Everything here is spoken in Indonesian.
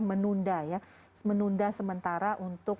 menunda sementara untuk